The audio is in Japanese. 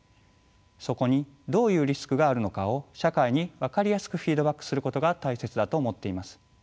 そこにどういうリスクがあるのかを社会に分かりやすくフィードバックすることが大切だと思っています。